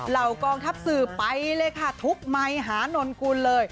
เหล่ากองทัพสื่อไปเลยค่ะทุบไมค์หานนกุลเลย